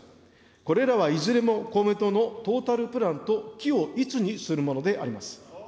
これらはいずれも公明党のトータルプランと、軌を一にするものであります。